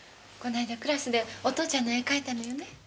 この間クラスでお父ちゃんの絵描いたのよね。